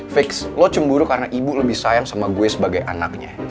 fix lo cemburu karena ibu lebih sayang sama gue sebagai anaknya